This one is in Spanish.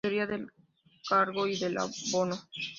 Teoría del Cargo y del Abono